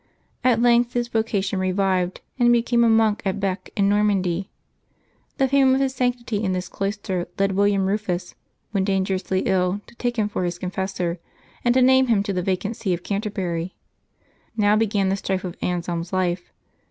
At length his vocation revived, and he became a monk at Bee in jS'ormandy. The fame of his sanctity in this cloister led William Rufus, when danger ously ill, to take him for his confessor, and to name him to the vacant see of Canterbury. Now began the strife of Anselm's life.